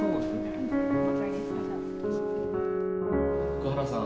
「福原さん